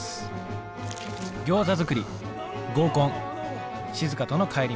ギョーザ作り合コンしずかとの帰り道。